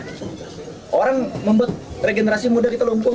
ya orang membuat regenerasi muda kita lumpuh